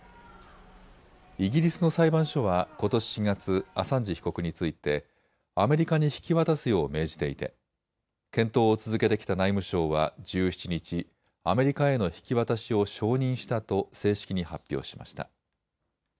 イギリスの裁判所はことし４月、アサンジ被告についてアメリカに引き渡すよう命じていて検討を続けてきた内務省は１７日、アメリカへの引き渡しを承認したと正式に発表しました。